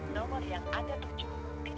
nomor yang ada tujuh punya dapat rumpungi